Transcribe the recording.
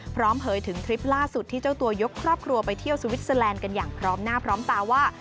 เผยถึงคลิปล่าสุดที่เจ้าตัวยกครอบครัวไปเที่ยวสวิสเตอร์แลนด์กันอย่างพร้อมหน้าพร้อมตาว่า